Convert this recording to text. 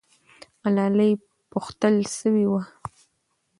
ملالۍ پوښتل سوې وه.